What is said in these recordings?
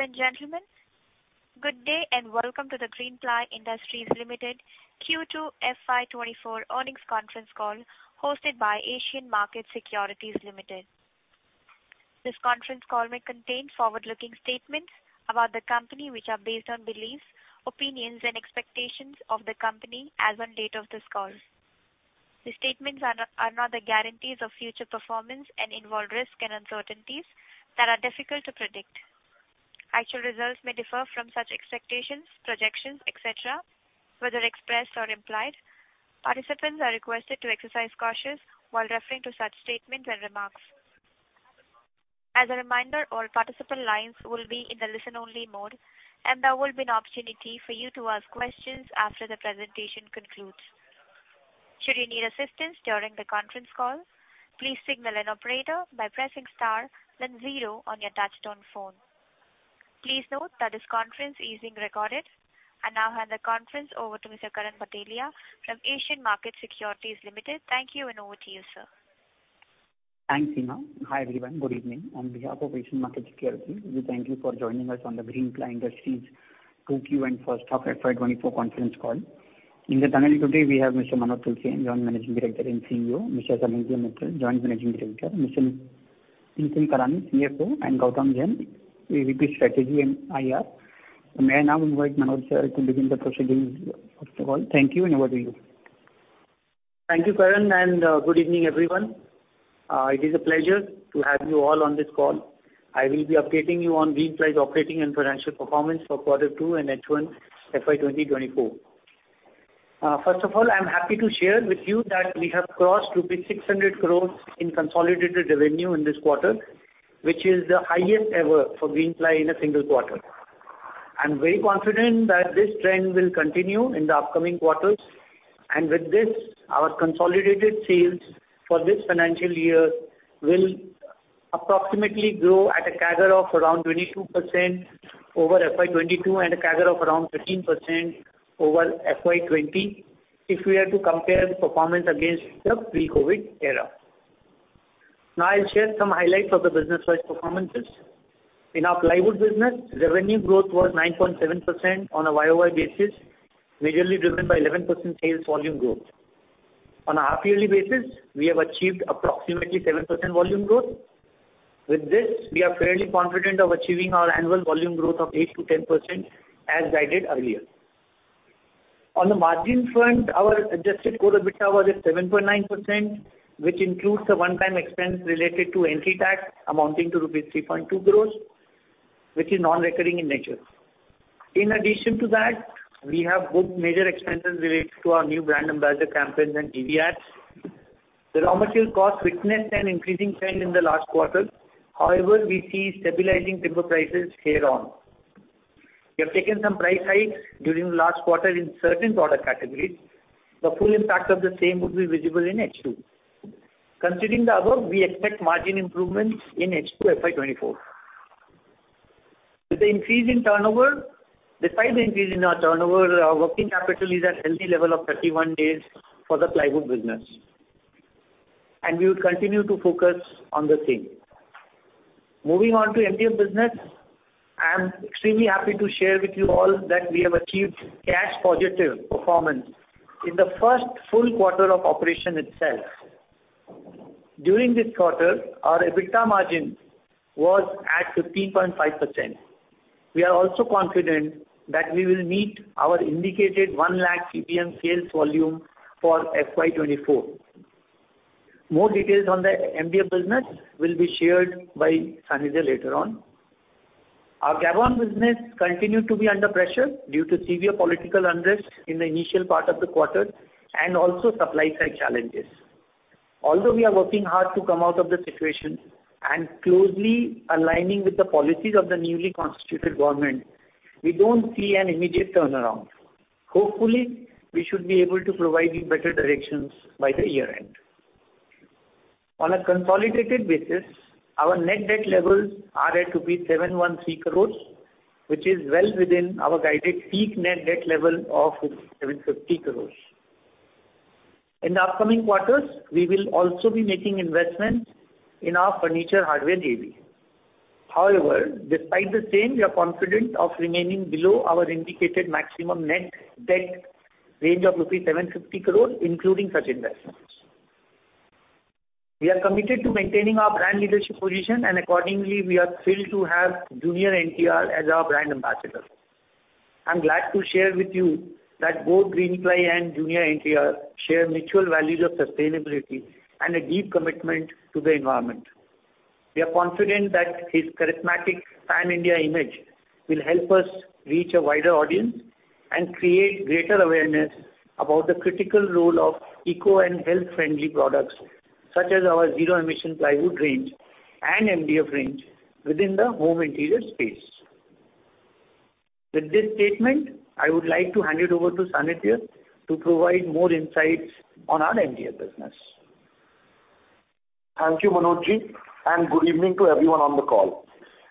Ladies and gentlemen, good day, and welcome to the Greenply Industries Limited Q2 FY 2024 earnings conference call, hosted by Asian Markets Securities Private Limited. This conference call may contain forward-looking statements about the company, which are based on beliefs, opinions, and expectations of the company as on date of this call. The statements are not, are not the guarantees of future performance and involve risks and uncertainties that are difficult to predict. Actual results may differ from such expectations, projections, et cetera, whether expressed or implied. Participants are requested to exercise caution while referring to such statements and remarks. As a reminder, all participant lines will be in the listen-only mode, and there will be an opportunity for you to ask questions after the presentation concludes. Should you need assistance during the conference call, please signal an operator by pressing star, then zero on your touchtone phone. Please note that this conference is being recorded. I now hand the conference over to Mr. Karan Bhatelia from Asian Markets Securities Private Limited. Thank you, and over to you, sir. Thanks, Seema. Hi, everyone. Good evening. On behalf of Asian Markets Securities, we thank you for joining us on the Greenply Industries 2Q and first half FY 2024 conference call. In the panel today, we have Mr. Manoj Tulsian, Joint Managing Director and CEO; Mr. Sanidhya Mittal, Joint Managing Director; Mr. Nitin Kalani, CFO; and Gautam Jain, AVP, Strategy and IR. May I now invite Manoj, sir, to begin the proceedings, first of all. Thank you, and over to you. Thank you, Karan, and good evening, everyone. It is a pleasure to have you all on this call. I will be updating you on Greenply's operating and financial performance for quarter two and H1 FY 2024. First of all, I'm happy to share with you that we have crossed rupees 600 crore in consolidated revenue in this quarter, which is the highest ever for Greenply in a single quarter. I'm very confident that this trend will continue in the upcoming quarters, and with this, our consolidated sales for this financial year will approximately grow at a CAGR of around 22% over FY 2022 and a CAGR of around 15% over FY 2020, if we are to compare the performance against the pre-COVID era. Now, I'll share some highlights of the business-wide performances. In our plywood business, revenue growth was 9.7% on a YOY basis, majorly driven by 11% sales volume growth. On a half-yearly basis, we have achieved approximately 7% volume growth. With this, we are fairly confident of achieving our annual volume growth of 8%-10%, as guided earlier. On the margin front, our adjusted core EBITDA was at 7.9%, which includes a one-time expense related to entry tax amounting to rupees 3.2 crore, which is non-recurring in nature. In addition to that, we have booked major expenses related to our new brand ambassador campaign and TV ads. The raw material cost witnessed an increasing trend in the last quarter. However, we see stabilizing timber prices hereon. We have taken some price hikes during the last quarter in certain product categories. The full impact of the same would be visible in H2. Considering the above, we expect margin improvements in H2 FY 2024. With the increase in turnover, despite the increase in our turnover, our working capital is at healthy level of 31 days for the plywood business, and we will continue to focus on the same. Moving on to MDF business, I am extremely happy to share with you all that we have achieved cash positive performance in the first full quarter of operation itself. During this quarter, our EBITDA margin was at 15.5%. We are also confident that we will meet our indicated 100,000 CBM sales volume for FY 2024. More details on the MDF business will be shared by Sanidhya later on. Our Gabon business continued to be under pressure due to severe political unrest in the initial part of the quarter and also supply side challenges. Although we are working hard to come out of the situation and closely aligning with the policies of the newly constituted government, we don't see an immediate turnaround. Hopefully, we should be able to provide you better directions by the year end. On a consolidated basis, our net debt levels are at rupees 713 crores, which is well within our guided peak net debt level of 750 crores. In the upcoming quarters, we will also be making investments in our furniture hardware JV. However, despite the same, we are confident of remaining below our indicated maximum net debt range of rupees 750 crores, including such investments. We are committed to maintaining our brand leadership position, and accordingly, we are thrilled to have Junior NTR as our brand ambassador. I'm glad to share with you that both Greenply and Junior NTR share mutual values of sustainability and a deep commitment to the environment. We are confident that his charismatic pan-India image will help us reach a wider audience and create greater awareness about the critical role of eco and health-friendly products, such as our zero-emission plywood range and MDF range within the home interior space. With this statement, I would like to hand it over to Sanidhya to provide more insights on our MDF business. Thank you, Manojji, and good evening to everyone on the call.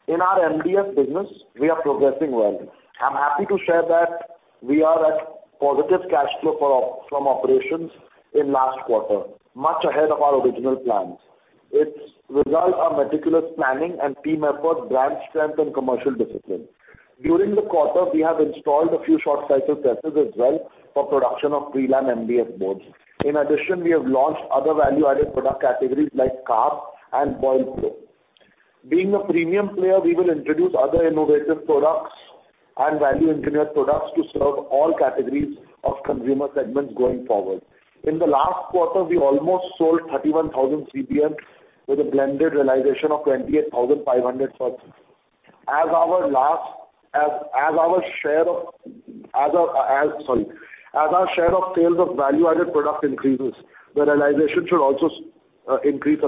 In our MDF business, we are progressing well. I'm happy to share that. We are at positive cash flow for op from operations in last quarter, much ahead of our original plans. It's result of meticulous planning and team effort, brand strength and commercial discipline. During the quarter, we have installed a few short cycle presses as well for production of Prelam MDF boards. In addition, we have launched other value-added product categories like CARB and Boilo. Being a premium player, we will introduce other innovative products and value engineered products to serve all categories of consumer segments going forward. In the last quarter, we almost sold 31,000 CBM with a blended realization of 28,500+. As our share of sales of value-added product increases, the realization should also increase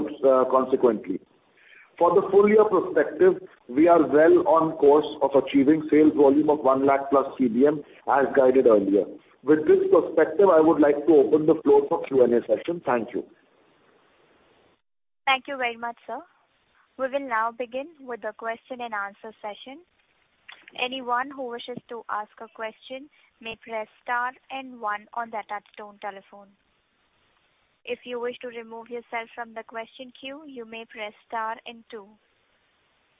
consequently. For the full year perspective, we are well on course of achieving sales volume of 100,000+ CBM, as guided earlier. With this perspective, I would like to open the floor for Q&A session. Thank you. Thank you very much, sir. We will now begin with the question and answer session. Anyone who wishes to ask a question may press star and one on the touchtone telephone. If you wish to remove yourself from the question queue, you may press star and two.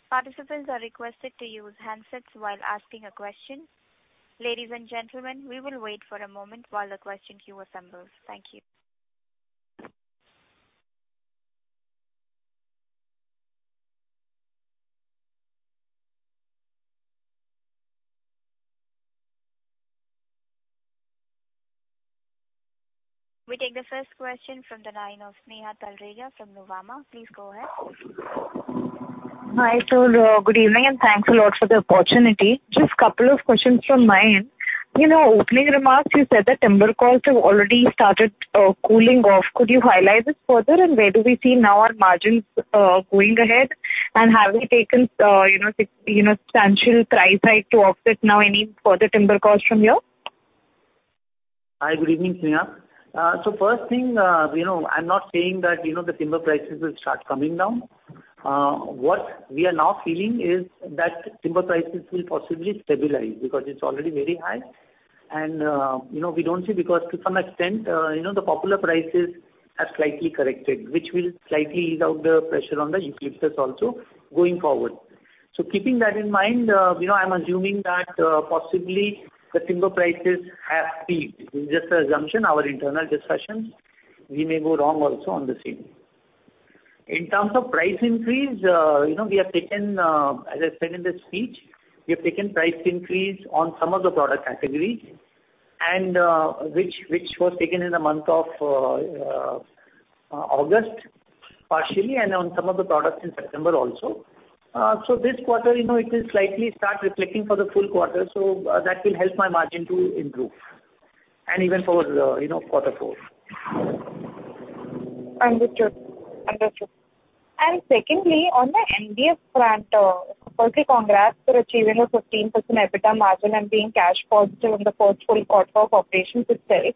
Participants are requested to use handsets while asking a question. Ladies and gentlemen, we will wait for a moment while the question queue assembles. Thank you. We take the first question from the line of Sneha Talreja from Nuvama. Please go ahead. Hi, so, good evening, and thanks a lot for the opportunity. Just couple of questions from my end. In your opening remarks, you said that timber costs have already started cooling off. Could you highlight this further, and where do we see now our margins going ahead? And have we taken, you know, substantial price hike to offset now any further timber costs from here? Hi, good evening, Sneha. So first thing, you know, I'm not saying that, you know, the timber prices will start coming down. What we are now feeling is that timber prices will possibly stabilize because it's already very high. You know, we don't see, because to some extent, you know, the poplar prices have slightly corrected, which will slightly ease out the pressure on the Eucalyptus also going forward. So keeping that in mind, you know, I'm assuming that, possibly the timber prices have peaked. This is just an assumption, our internal discussions. We may go wrong also on the same. In terms of price increase, you know, we have taken, as I said in the speech, we have taken price increase on some of the product categories, and, which, which was taken in the month of, August, partially, and on some of the products in September also. So this quarter, you know, it will slightly start reflecting for the full quarter, so that will help my margin to improve, and even for, you know, quarter four. Understood. Understood. And secondly, on the MDF front, firstly, congrats for achieving a 15% EBITDA margin and being cash positive in the first full quarter of operations itself.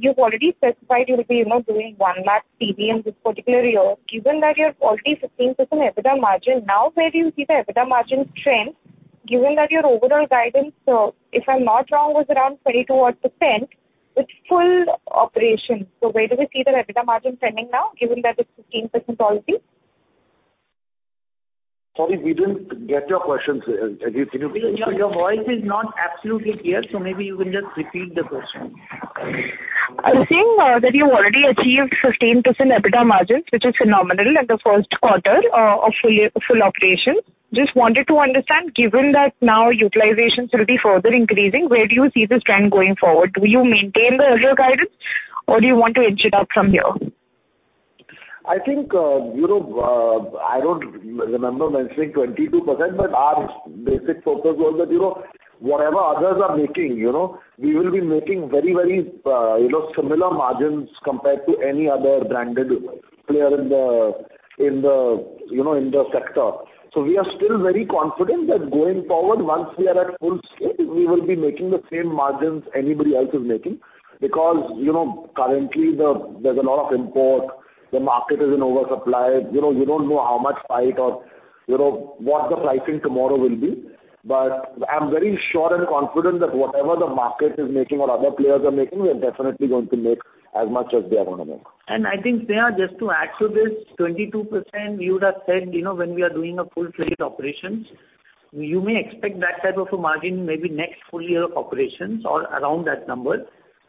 You've already specified you will be, you know, doing 100,000 CBM this particular year. Given that you're already 15% EBITDA margin, now where do you see the EBITDA margin trend, given that your overall guidance, if I'm not wrong, was around 22-odd% with full operation. So where do we see the EBITDA margin trending now, given that it's 15% already? Sorry, we didn't get your question. Could you please- Your voice is not absolutely clear, so maybe you will just repeat the question. I was saying, that you've already achieved 15% EBITDA margins, which is phenomenal, in the first quarter, of full year, full operation. Just wanted to understand, given that now utilizations will be further increasing, where do you see this trend going forward? Do you maintain the earlier guidance, or do you want to inch it up from here? I think, you know, I don't remember mentioning 22%, but our basic focus was that, you know, whatever others are making, you know, we will be making very, very, you know, similar margins compared to any other branded player in the, in the, you know, in the sector. So we are still very confident that going forward, once we are at full scale, we will be making the same margins anybody else is making. Because, you know, currently the, there's a lot of import, the market is in oversupply, you know, we don't know how much price or, you know, what the pricing tomorrow will be. But I'm very sure and confident that whatever the market is making or other players are making, we are definitely going to make as much as they are gonna make. I think, Sneha, just to add to this 22%, you would have said, you know, when we are doing full-fledged operations, you may expect that type of a margin maybe next full year of operations or around that number.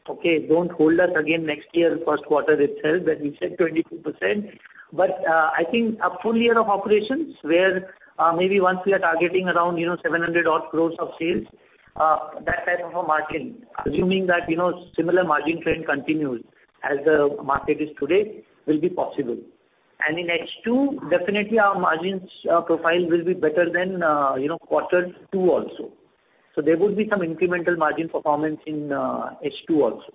Okay, don't hold us again next year, first quarter itself, that we said 22%. But, I think a full year of operations where, maybe once we are targeting around, you know, 700-odd crore of sales, that type of a margin, assuming that, you know, similar margin trend continues as the market is today, will be possible. And in H2, definitely our margins, profile will be better than, you know, quarter two also. So there would be some incremental margin performance in, H2 also.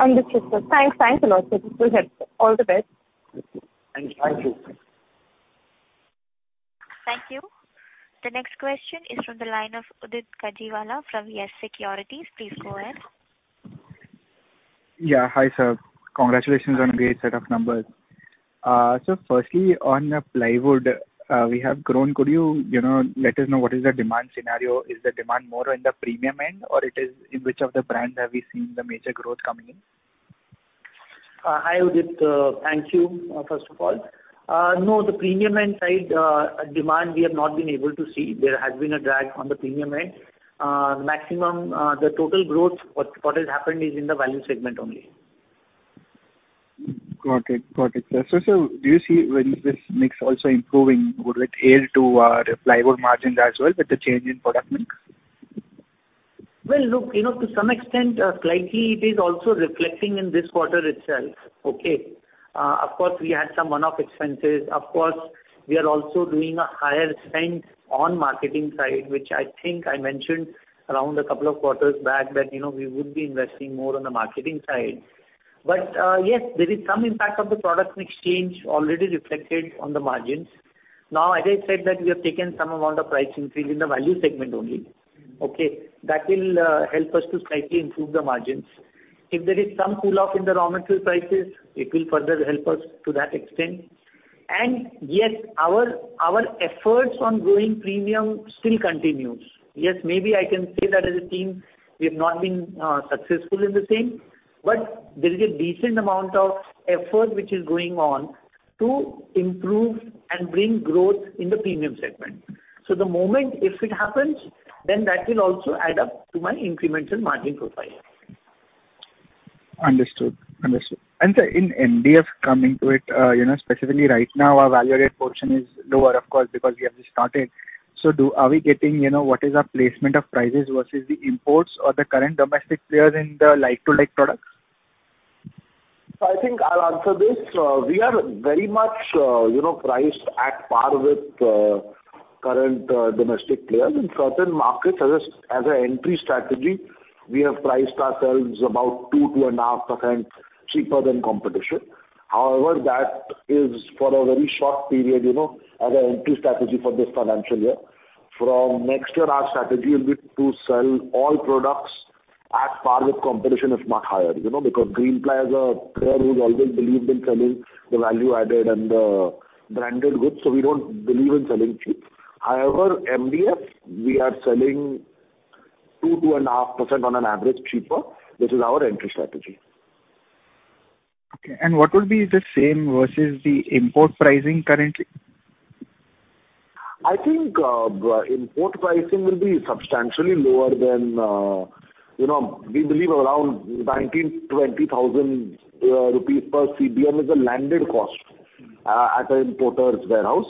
Understood, sir. Thanks. Thanks a lot, sir. This will help. All the best. Thank you. Thank you. Thank you. The next question is from the line of Udit Kanjiwala from Yes Securities. Please go ahead. ...Yeah. Hi, sir. Congratulations on a great set of numbers. So firstly, on the plywood, we have grown. Could you, you know, let us know what is the demand scenario? Is the demand more in the premium end, or it is in which of the brands have we seen the major growth coming in? Hi, Udit. Thank you, first of all. No, the premium end side, demand we have not been able to see. There has been a drag on the premium end. Maximum, the total growth, what has happened is in the value segment only. Got it. Got it. So, so do you see when this mix also improving, would it aid to the plywood margins as well with the change in product mix? Well, look, you know, to some extent, slightly it is also reflecting in this quarter itself, okay? Of course, we had some one-off expenses. Of course, we are also doing a higher spend on marketing side, which I think I mentioned around a couple of quarters back that, you know, we would be investing more on the marketing side. But, yes, there is some impact of the product mix change already reflected on the margins. Now, as I said that we have taken some amount of price increase in the value segment only, okay? That will, help us to slightly improve the margins. If there is some cool off in the raw material prices, it will further help us to that extent. And yes, our, our efforts on growing premium still continues. Yes, maybe I can say that as a team, we have not been successful in the same, but there is a decent amount of effort which is going on to improve and bring growth in the premium segment. So the moment if it happens, then that will also add up to my incremental margin profile. Understood. Understood. And, sir, in MDF coming to it, you know, specifically right now, our value-added portion is lower, of course, because we have just started. So are we getting, you know, what is our placement of prices versus the imports or the current domestic players in the like-for-like products? So I think I'll answer this. We are very much, you know, priced at par with current domestic players. In certain markets, as an entry strategy, we have priced ourselves about 2%-2.5% cheaper than competition. However, that is for a very short period, you know, as an entry strategy for this financial year. From next year, our strategy will be to sell all products at par with competition, if not higher. You know, because Greenply as a player, we've always believed in selling the value added and the branded goods, so we don't believe in selling cheap. However, MDF, we are selling 2%-2.5% on an average cheaper, which is our entry strategy. Okay. What would be the same versus the import pricing currently? I think, import pricing will be substantially lower than, you know, we believe around 19,000-20,000 rupees per CBM is the landed cost, at the importer's warehouse.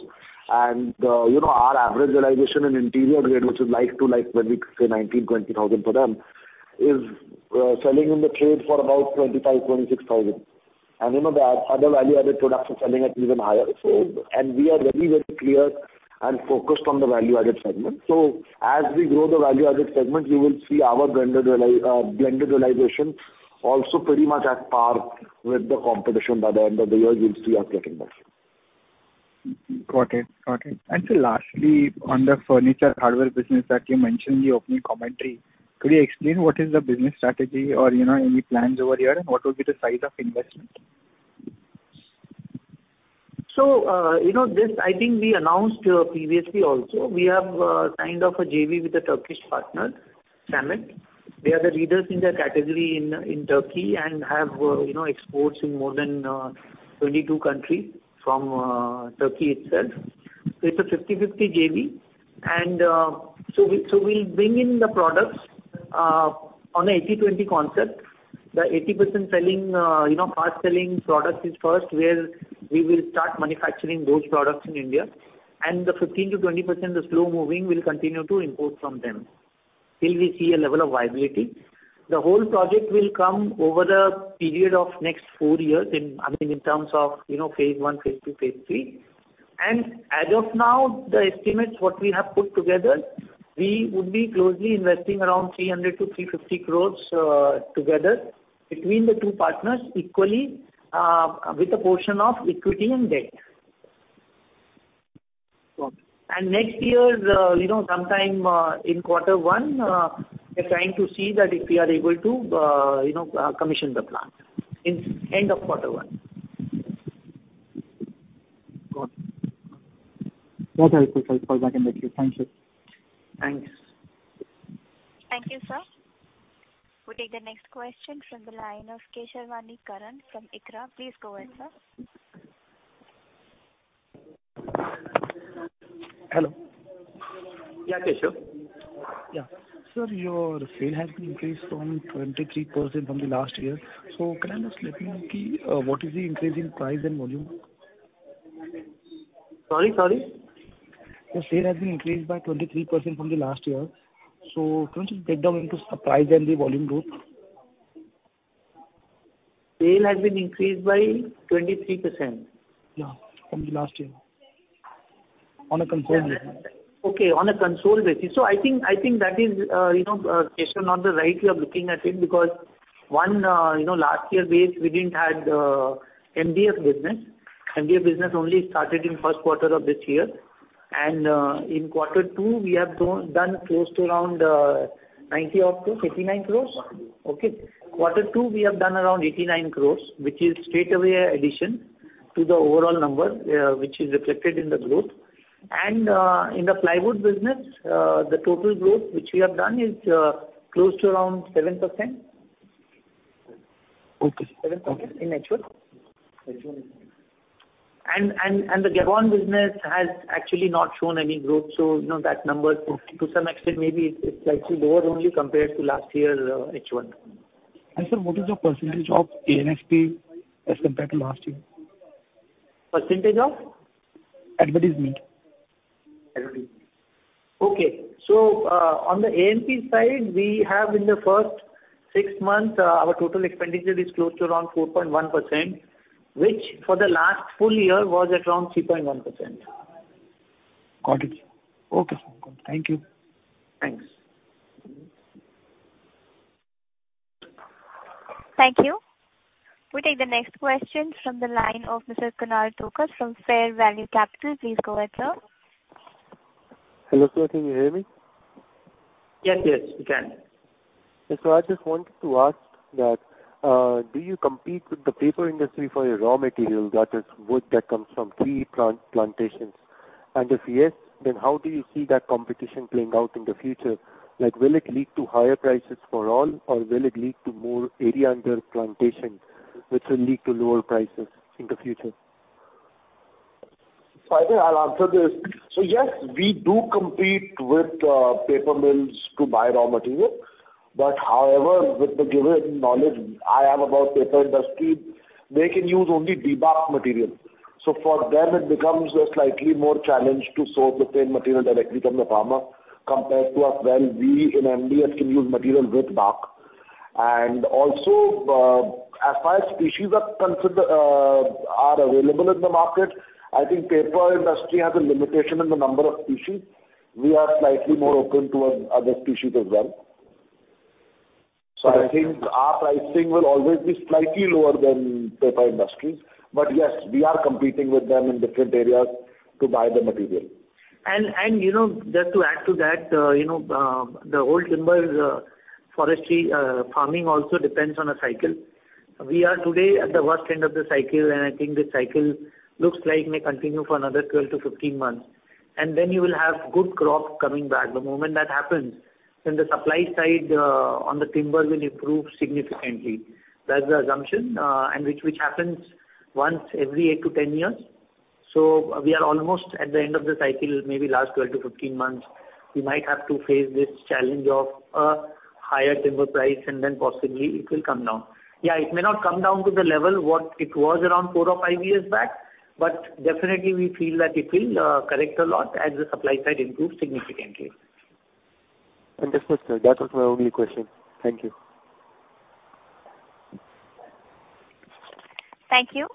You know, our average realization in interior grade, which is like to like when we say 19,000-20,000 for them, is selling in the trade for about 25,000-26,000. And, you know, the other value-added products are selling at even higher. So... We are very, very clear and focused on the value-added segment. So as we grow the value-added segment, you will see our blended realization also pretty much at par with the competition by the end of the year. You'll see us getting that. Got it. Got it. And so lastly, on the furniture hardware business that you mentioned in the opening commentary, could you explain what is the business strategy or, you know, any plans over here and what would be the size of investment? So, you know, this, I think we announced previously also. We have signed off a JV with a Turkish partner, Samet. They are the leaders in their category in Turkey and have, you know, exports in more than 22 countries from Turkey itself. So it's a 50/50 JV. And, so we, so we'll bring in the products on a 80/20 concept. The 80% selling, you know, fast-selling products is first, where we will start manufacturing those products in India. And the 15%-20%, the slow-moving, we'll continue to import from them till we see a level of viability. The whole project will come over the period of next 4 years in, I mean, in terms of, you know, phase one, phase two, phase three. As of now, the estimates, what we have put together, we would be closely investing around 300 crore-350 crore, together between the two partners equally, with a portion of equity and debt. Next year, you know, sometime, in quarter one, we're trying to see that if we are able to, you know, commission the plant in end of quarter one. Got it. That's very good. I'll call back in the queue. Thank you. Thanks. Thank you, sir. We'll take the next question from the line of Keshawani Karan from ICRA. Please go ahead, sir. Hello. Yeah, Keshu. Yeah. Sir, your sale has been increased from 23% from the last year. So can you just let me know, what is the increase in price and volume? Sorry, sorry? The sale has been increased by 23% from the last year. Can you just break down into the price and the volume growth? Sales has been increased by 23%? Yeah, from the last year. On a consolidated. Okay, on a consolidated. So I think that is, you know, Keshu, not the right way of looking at it, because one, you know, last year base, we didn't have MDF business. MDF business only started in first quarter of this year. And, in quarter two, we have done close to around ninety odd crores, eighty-nine crores? Okay. Quarter two, we have done around eighty-nine crores, which is straight away addition to the overall number, which is reflected in the growth. And, in the plywood business, the total growth which we have done is close to around 7%. Okay. 7% in H1. H1. The Gabon business has actually not shown any growth, so you know, that number- Okay. to some extent, maybe it's slightly lower only compared to last year, H1. Sir, what is your percentage of ANSP as compared to last year? Percentage of? Advertisement. Advertisement. Okay, so, on the AMP side, we have in the first six months, our total expenditure is close to around 4.1%, which for the last full year was around 3.1%. Got it. Okay, thank you. Thanks. Thank you. We take the next question from the line of Mr. Kunal Tokas from Fair Value Capital. Please go ahead, sir. Hello, sir. Can you hear me? Yes, yes, we can. So I just wanted to ask that, do you compete with the paper industry for your raw material, that is, wood that comes from tree plantations? And if yes, then how do you see that competition playing out in the future? Like, will it lead to higher prices for all, or will it lead to more area under plantation, which will lead to lower prices in the future? I think I'll answer this. So yes, we do compete with paper mills to buy raw material, but however, with the given knowledge I have about paper industry, they can use only debarked material. So for them, it becomes a slightly more challenge to source the same material directly from the farmer, compared to us. Well, we in MDF can use material with bark. And also, as far as species are available in the market, I think paper industry has a limitation in the number of species. We are slightly more open towards other species as well. So I think our pricing will always be slightly lower than paper industries, but yes, we are competing with them in different areas to buy the material. You know, just to add to that, you know, the old timber forestry farming also depends on a cycle. We are today at the worst end of the cycle, and I think this cycle looks like may continue for another 12-15 months. And then you will have good crop coming back. The moment that happens, then the supply side on the timber will improve significantly. That's the assumption, and which happens once every 8-10 years. So we are almost at the end of the cycle, maybe last 12-15 months. We might have to face this challenge of a higher timber price, and then possibly it will come down. Yeah, it may not come down to the level what it was around four or five years back, but definitely we feel that it will correct a lot as the supply side improves significantly. Understood, sir. That was my only question. Thank you. Thank you.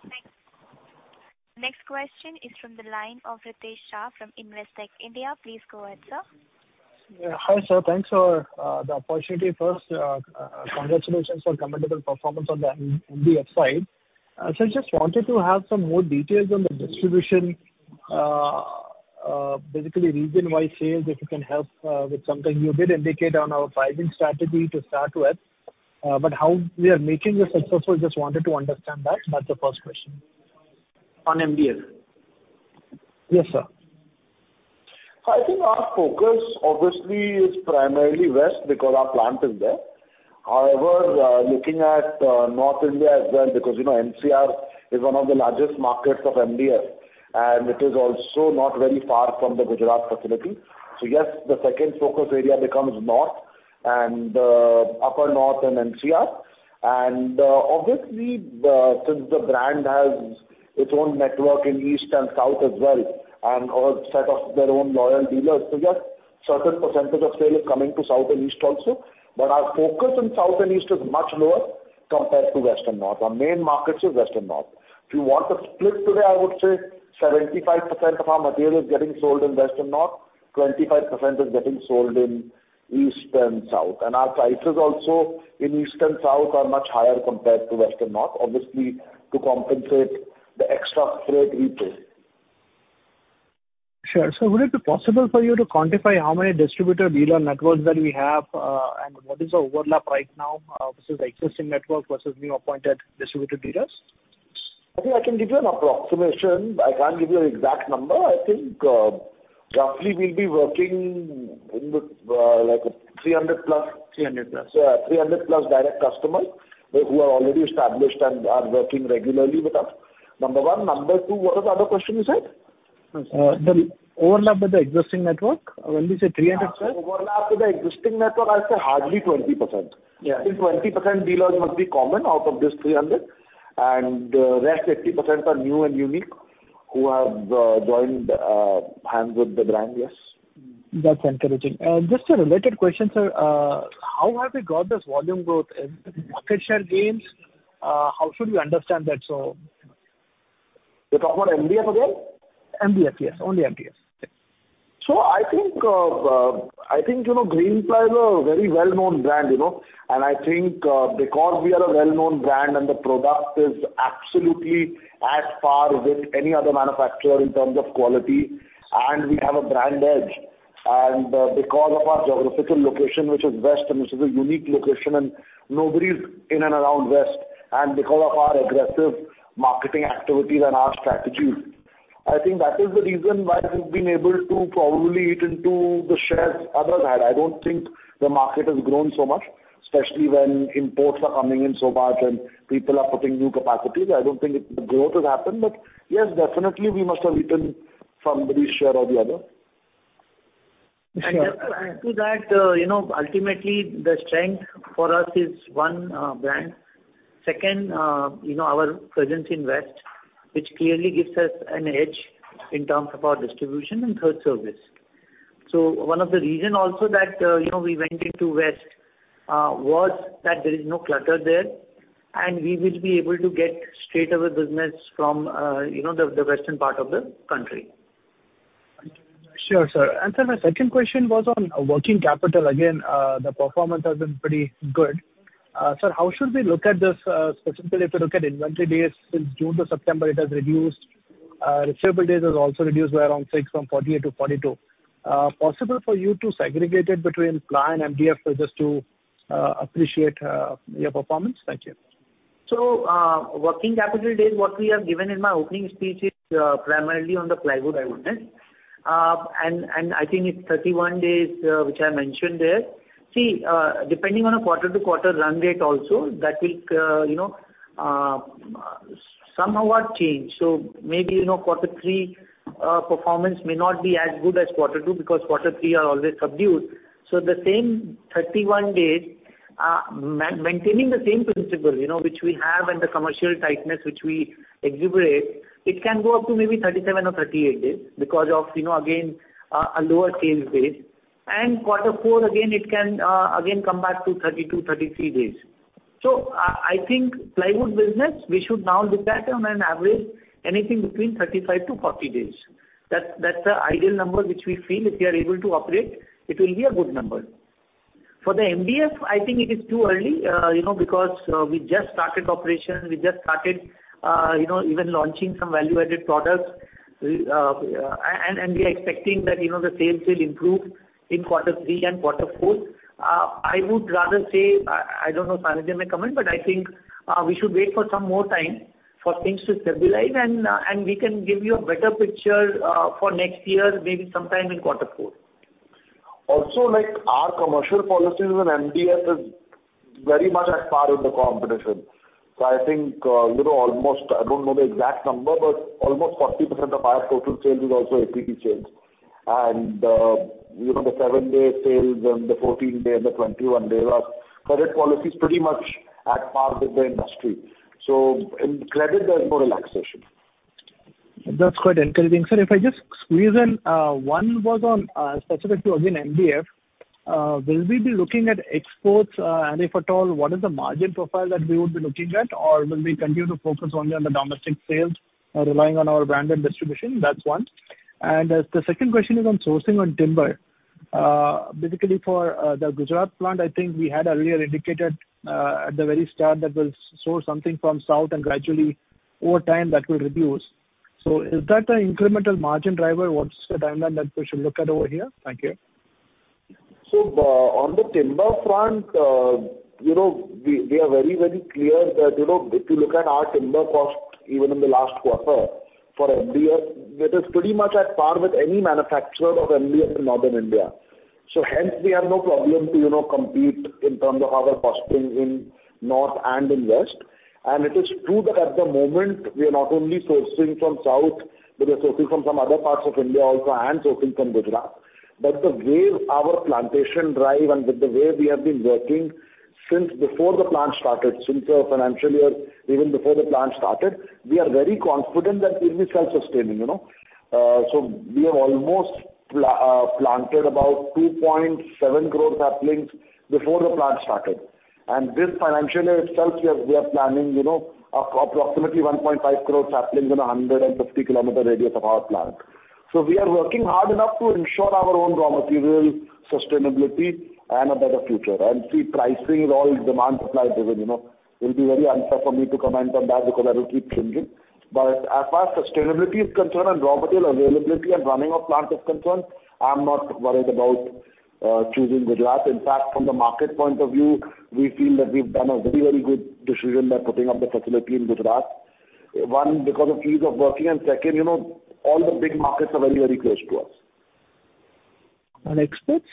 Next question is from the line of Ritesh Shah from Investec India. Please go ahead, sir. Yeah. Hi, sir. Thanks for the opportunity. First, congratulations for commendable performance on the MDF side. So I just wanted to have some more details on the distribution, basically region-wide sales, if you can help with something. You did indicate on our five-year strategy to start with, but how we are making this successful, just wanted to understand that. That's the first question. On MDF? Yes, sir. I think our focus obviously is primarily West because our plant is there. However, looking at, North India as well, because, you know, NCR is one of the largest markets of MDF, and it is also not very far from the Gujarat facility. So yes, the second focus area becomes North, and, upper North and NCR. And, obviously, the, since the brand has its own network in East and South as well, and a set of their own loyal dealers, so yes, certain percentage of sale is coming to South and East also. But our focus in South and East is much lower compared to West and North. Our main markets is West and North. If you want the split today, I would say 75% of our material is getting sold in West and North, 25% is getting sold in East and South. Our prices also in east and south are much higher compared to west and north, obviously, to compensate the extra freight we pay. Sure. So would it be possible for you to quantify how many distributor dealer networks that we have, and what is the overlap right now, versus the existing network versus new appointed distributor dealers? I think I can give you an approximation. I can't give you an exact number. I think, roughly we'll be working with, like 300 plus- 300+. Yeah, 300+ direct customers, who are already established and are working regularly with us, number one. Number two, what was the other question you said? The overlap with the existing network, when you say 300+? Overlap with the existing network, I'd say hardly 20%. Yeah. I think 20% dealers must be common out of this 300, and rest 80% are new and unique, who have joined hands with the brand, yes. That's encouraging. Just a related question, sir. How have we got this volume growth? Is it market share gains? How should we understand that so- You're talking about MDF again? MDF, yes. Only MDF. ...So I think, I think, you know, Greenply is a very well-known brand, you know, and I think, because we are a well-known brand and the product is absolutely at par with any other manufacturer in terms of quality, and we have a brand edge. And because of our geographical location, which is west, and this is a unique location, and nobody's in and around west, and because of our aggressive marketing activities and our strategies, I think that is the reason why we've been able to probably eat into the shares others had. I don't think the market has grown so much, especially when imports are coming in so much and people are putting new capacities. I don't think the growth has happened, but yes, definitely, we must have eaten somebody's share or the other. To that, you know, ultimately, the strength for us is one, brand. Second, you know, our presence in west, which clearly gives us an edge in terms of our distribution, and third, service. So one of the reason also that, you know, we went into west, was that there is no clutter there, and we will be able to get straight away business from, you know, the western part of the country. Sure, sir. Sir, my second question was on working capital. Again, the performance has been pretty good. Sir, how should we look at this, specifically, if you look at inventory days since June to September, it has reduced. Receivable days has also reduced by around 6, from 48 to 42. Possible for you to segregate it between ply and MDF just to, appreciate, your performance? Thank you. So, working capital days, what we have given in my opening speech is, primarily on the plywood, I would say. And, and I think it's 31 days, which I mentioned there. See, depending on a quarter-to-quarter run rate also, that will, you know, somewhat change. So maybe, you know, quarter three performance may not be as good as quarter two, because quarter three are always subdued. So the same 31 days, maintaining the same principle, you know, which we have and the commercial tightness which we exhibit, it can go up to maybe 37 or 38 days because of, you know, again, a lower sales base. And quarter four, again, it can, again come back to 32, 33 days. So I think plywood business, we should now look at on an average, anything between 35-40 days. That's the ideal number which we feel if we are able to operate, it will be a good number. For the MDF, I think it is too early, you know, because we just started operations, we just started, you know, even launching some value-added products. And we are expecting that, you know, the sales will improve in quarter three and quarter four. I would rather say, I don't know, Sanidhya may comment, but I think we should wait for some more time for things to stabilize, and we can give you a better picture for next year, maybe sometime in quarter four. Also, like, our commercial policies on MDF is very much at par with the competition. So I think, you know, almost, I don't know the exact number, but almost 40% of our total sales is also APP sales. And, you know, the 7-day sales and the 14-day and the 21-day are credit policies pretty much at par with the industry. So in credit, there's more relaxation. That's quite encouraging. Sir, if I just squeeze in, one was on, specific to again, MDF. Will we be looking at exports, and if at all, what is the margin profile that we would be looking at? Or will we continue to focus only on the domestic sales, relying on our brand and distribution? That's one. And, the second question is on sourcing on timber. Basically, for the Gujarat plant, I think we had earlier indicated, at the very start that we'll source something from south and gradually, over time, that will reduce. So is that an incremental margin driver? What's the timeline that we should look at over here? Thank you. So, on the timber front, you know, we, we are very, very clear that, you know, if you look at our timber cost, even in the last quarter, for MDF, it is pretty much at par with any manufacturer of MDF in Northern India. So hence, we have no problem to, you know, compete in terms of our costing in North and in West. And it is true that at the moment, we are not only sourcing from South, but we are sourcing from some other parts of India also, and sourcing from Gujarat. But the way our plantation drive and with the way we have been working since before the plant started, since the financial year, even before the plant started, we are very confident that it is self-sustaining, you know. So we have almost planted about 2.7 crore saplings before the plant started. And this financial year itself, we are planning, you know, approximately 1.5 crore saplings in a 150-kilometer radius of our plant. So we are working hard enough to ensure our own raw material, sustainability and a better future. And see, pricing is all demand, supply driven, you know. It will be very unfair for me to comment on that because that will keep changing. But as far as sustainability is concerned and raw material availability and running of plant is concerned, I'm not worried about choosing Gujarat. In fact, from the market point of view, we feel that we've done a very, very good decision by putting up the facility in Gujarat. One, because of ease of working, and second, you know, all the big markets are very, very close to us. And exports?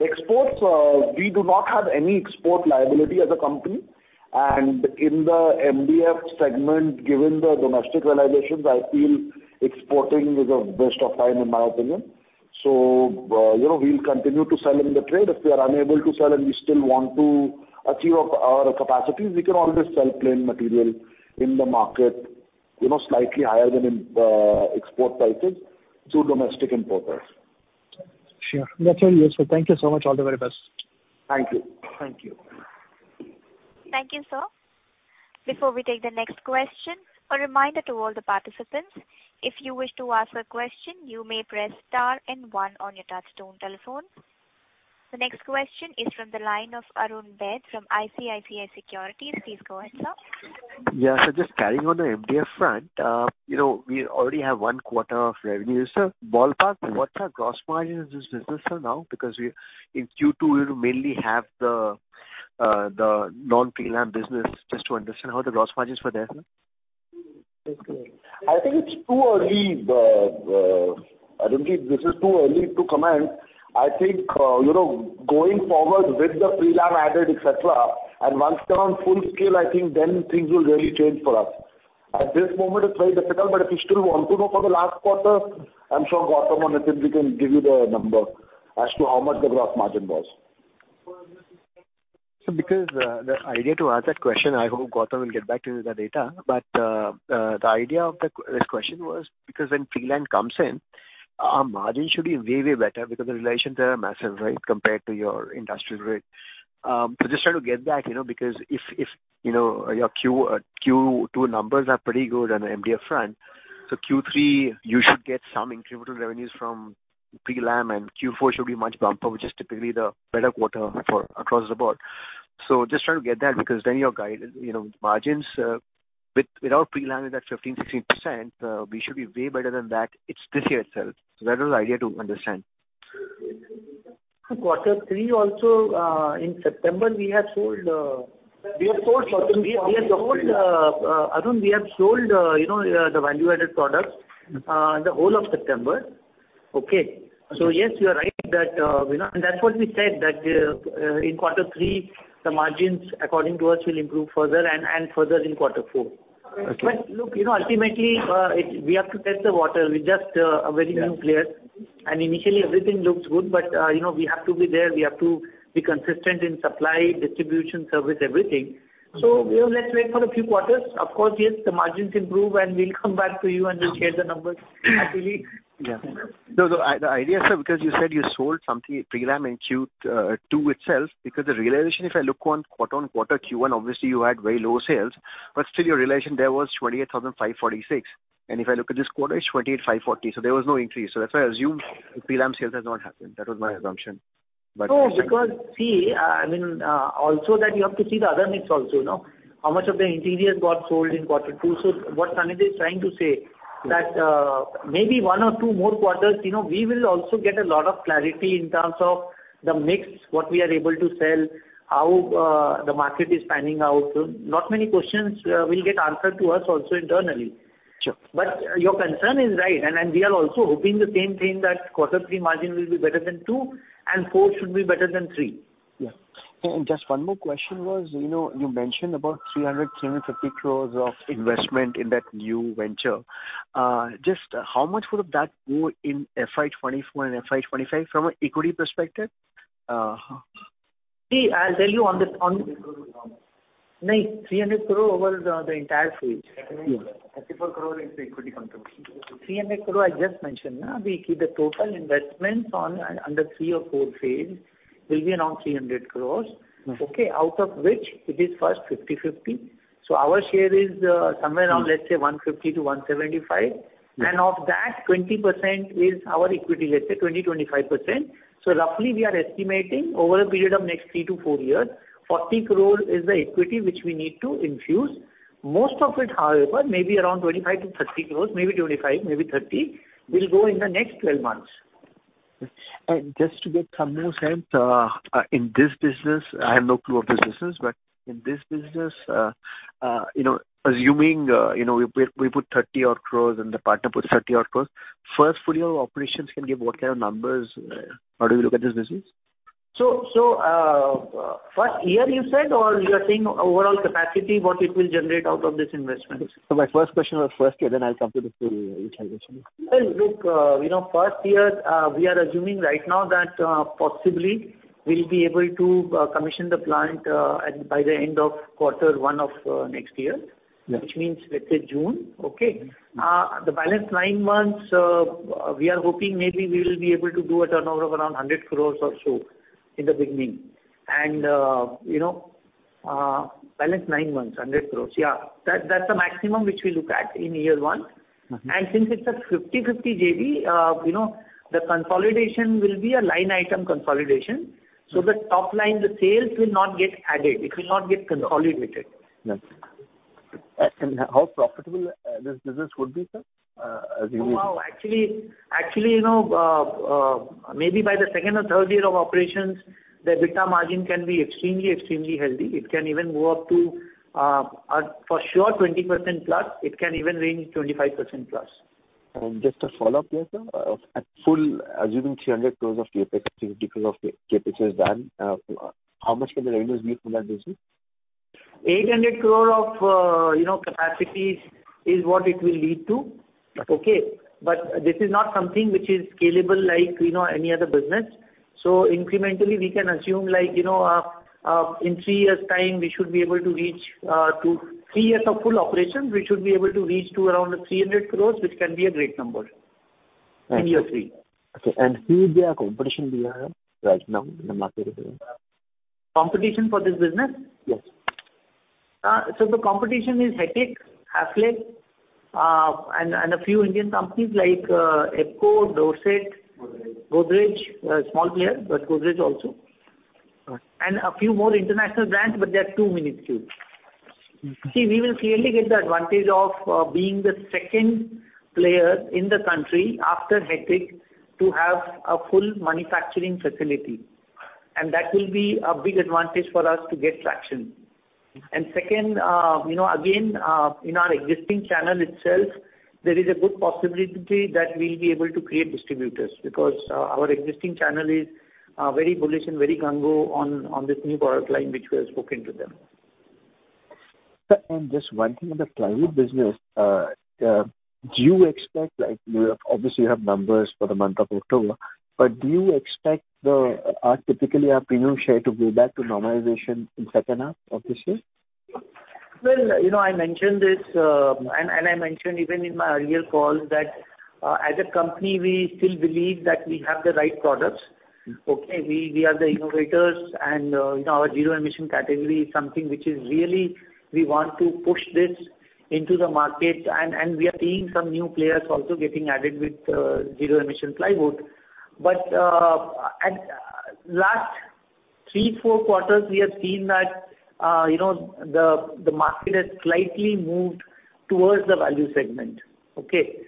Exports, we do not have any export liability as a company, and in the MDF segment, given the domestic realizations, I feel exporting is a waste of time, in my opinion. So, you know, we'll continue to sell in the trade. If we are unable to sell and we still want to achieve our, our capacities, we can always sell plain material in the market, you know, slightly higher than in the export prices to domestic importers. Sure. That's very useful. Thank you so much. All the very best. Thank you. Thank you. ...Thank you, sir. Before we take the next question, a reminder to all the participants, if you wish to ask a question, you may press star and one on your touchtone telephone. The next question is from the line of Arun Bed from ICICI Securities. Please go ahead, sir. Yeah, so just carrying on the MDF front, you know, we already have one quarter of revenues. So ballpark, what are gross margins in this business for now? Because we in Q2 will mainly have the non prelam business, just to understand how the gross margins were there, sir. I think it's too early, Arunji, this is too early to comment. I think, you know, going forward with the prelam added, et cetera, and once they're on full scale, I think then things will really change for us. At this moment, it's very difficult, but if you still want to know for the last quarter, I'm sure Gautam or Nitin can give you the number as to how much the gross margin was. Because the idea to ask that question, I hope Gautam will get back to the data. But the idea of this question was because when prelam comes in, our margin should be way, way better because the relations are massive, right, compared to your industrial rate. So just try to get that, you know, because if you know, your Q2 numbers are pretty good on the MDF front, so Q3, you should get some incremental revenues from prelam, and Q4 should be much bumper, which is typically the better quarter for across the board. So just trying to get that, because then your guide, you know, margins with without prelam, is at 15%-16%, we should be way better than that. It's this year itself. So that was the idea to understand. Quarter three also, in September, we have sold, Arun, you know, the value-added products, the whole of September. Okay? So, yes, you are right that, you know, and that's what we said, that, in quarter three, the margins, according to us, will improve further and further in quarter four. Okay. Look, you know, ultimately, we have to test the water. We're just a very new player, and initially everything looks good, but, you know, we have to be there, we have to be consistent in supply, distribution, service, everything. So, you know, let's wait for a few quarters. Of course, yes, the margins improve, and we'll come back to you and we'll share the numbers happily. Yeah. No, the idea, sir, because you said you sold something, prelam, in Q2 itself, because the realization, if I look on quarter-on-quarter Q1, obviously you had very low sales, but still your realization there was 28,546. And if I look at this quarter, it's 28,540, so there was no increase. So that's why I assumed prelam sales has not happened. That was my assumption. But- No, because, see, I mean, also that you have to see the other mix also, you know, how much of the interior got sold in quarter two. So what Sanjit is trying to say that, maybe one or two more quarters, you know, we will also get a lot of clarity in terms of the mix, what we are able to sell, how, the market is panning out. So not many questions, will get answered to us also internally. Sure. But your concern is right, and we are also hoping the same thing, that quarter three margin will be better than two, and four should be better than three. Yeah. Just one more question was, you know, you mentioned about 300-350 crores of investment in that new venture. Just how much would that go in FY 2024 and FY 2025 from an equity perspective? See, I'll tell you on the, INR 300 crore. Nai, 300 crore over the entire phase. 54 crore is the equity contribution. 300 crore, I just mentioned, na. We keep the total investments on under 3 or 4 phase will be around 300 crores. Mm. Okay, out of which it is first 50/50. So our share is somewhere around, let's say, 150-175. Yeah. Of that, 20% is our equity, let's say 20-25%. So roughly, we are estimating over a period of next 3-4 years, 40 crore is the equity which we need to infuse. Most of it, however, maybe around 25 crore-30 crore, maybe 25 crore, maybe 30 crore, will go in the next 12 months. Just to get some more sense, in this business, I have no clue of this business, but in this business, you know, assuming, you know, we, we put 30 odd crore and the partner puts 30 odd crore, first full year operations can give what kind of numbers, how do you look at this business? So, first year you said, or you are saying overall capacity, what it will generate out of this investment? My first question was first year, then I'll come to the full utilization. Well, look, you know, first year, we are assuming right now that, possibly we'll be able to commission the plant at by the end of quarter one of next year. Yeah. Which means, let's say June, okay? The balance nine months, we are hoping maybe we will be able to do a turnover of around 100 crore or so in the beginning. You know, balance nine months, 100 crore. Yeah, that's the maximum which we look at in year one. Mm-hmm. Since it's a 50/50 JV, you know, the consolidation will be a line item consolidation. The top line, the sales will not get added, it will not get consolidated. Yes. And how profitable, this business would be, sir, as you- Wow! Actually, actually, you know, maybe by the second or third year of operations, the EBITDA margin can be extremely, extremely healthy. It can even go up to, for sure, 20% plus. It can even range 25% plus. Just a follow-up here, sir. At full, assuming 300 crore of CapEx, 50 crore of CapEx is done, how much can the revenues be for that business? 800 crore of, you know, capacity is what it will lead to. Okay. Okay? But this is not something which is scalable like, you know, any other business. So incrementally, we can assume like, you know, in three years' time, we should be able to reach, to three years of full operations, we should be able to reach to around 300 crore, which can be a great number. And year three. Okay, and who is their competition there right now in the market? Competition for this business? Yes. So the competition is Hettich, Hafele, and a few Indian companies like Epco, Dorset. Godrej. Godrej, a small player, but Godrej also. Right. A few more international brands, but they are too minuscule. Mm. See, we will clearly get the advantage of, being the second player in the country after Hettich, to have a full manufacturing facility, and that will be a big advantage for us to get traction. And second, you know, again, in our existing channel itself, there is a good possibility that we'll be able to create distributors, because, our existing channel is, very bullish and very gung ho on, on this new product line, which we have spoken to them. Sir, and just one thing on the plywood business. Do you expect, like, you obviously have numbers for the month of October, but do you expect typically our premium share to go back to normalization in second half of this year? Well, you know, I mentioned this, and I mentioned even in my earlier calls that, as a company, we still believe that we have the right products. Mm. Okay? We are the innovators and, you know, our zero emission category is something which is really we want to push this into the market, and we are seeing some new players also getting added with zero emission plywood. But at last three, four quarters, we have seen that, you know, the market has slightly moved towards the value segment. Okay,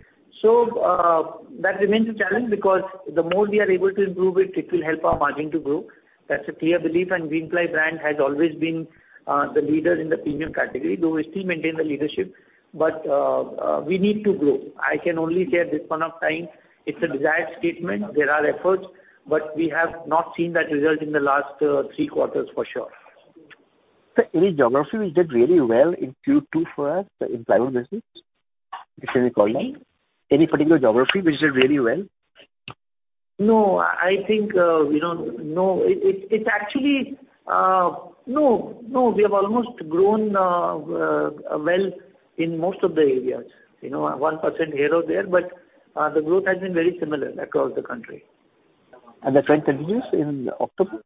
so that remains a challenge because the more we are able to improve it, it will help our margin to grow. That's a clear belief, and Greenply brand has always been the leader in the premium category, though we still maintain the leadership. But we need to grow. I can only say at this point of time, it's a desired statement. There are efforts, but we have not seen that result in the last three quarters for sure. Sir, any geography which did really well in Q2 for us in plywood business, between the quarter? Hmm. Any particular geography which did really well? No, I think, you know, no, it, it's actually. No, no, we have almost grown, well, in most of the areas. You know, 1% here or there, but, the growth has been very similar across the country. The trend continues in October?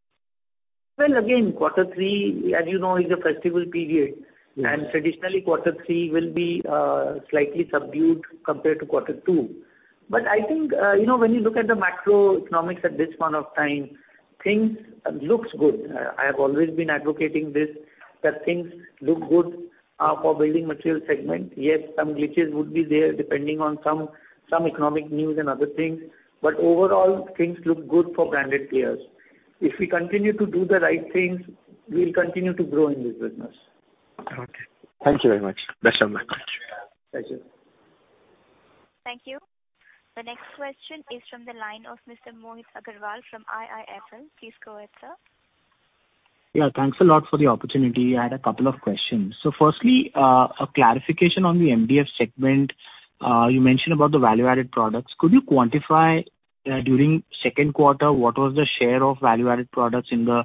Well, again, quarter three, as you know, is a festival period. Yes. Traditionally, quarter three will be slightly subdued compared to quarter two. But I think, you know, when you look at the macroeconomics at this point of time, things looks good. I have always been advocating this, that things look good for building material segment. Yes, some glitches would be there depending on some economic news and other things, but overall, things look good for branded players. If we continue to do the right things, we will continue to grow in this business. Okay. Thank you very much. Best of luck. Thank you. Thank you. The next question is from the line of Mr. Mohit Agarwal from IIFL. Please go ahead, sir. Yeah, thanks a lot for the opportunity. I had a couple of questions. Firstly, a clarification on the MDF segment. You mentioned about the value-added products. Could you quantify, during second quarter, what was the share of value-added products in the